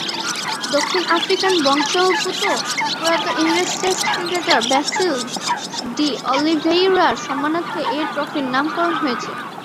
দক্ষিণ আফ্রিকান বংশোদ্ভূত প্রয়াত ইংরেজ টেস্ট ক্রিকেটার ব্যাসিল ডি’অলিভেইরা’র সম্মানার্থে এ ট্রফির নামকরণ হয়েছে।